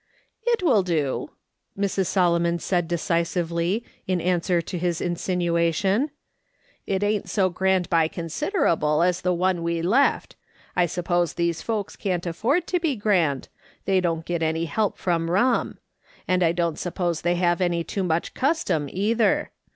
" It will do," Mrs. Solomon said decisively, in answer to his insinuation. " It ain't so grand by considerable as the one we left. I suppose these folks can't aftbrd to be grand, they don't get any help from rum. And I don't suppose they have any too much custom, either.